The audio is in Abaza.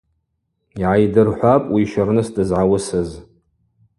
Йгӏайдырхӏвапӏ уищырныс дызгӏауысыз.